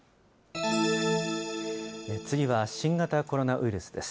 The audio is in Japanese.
次は新型コロナウイルスです。